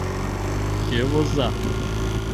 кӧ воза?